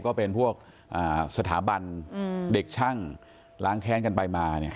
ก็เป็นพวกสถาบันเด็กช่างล้างแค้นกันไปมา